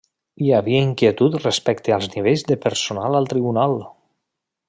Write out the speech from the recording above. Hi havia inquietud respecte als nivells de personal al tribunal.